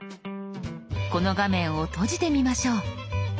この画面を閉じてみましょう。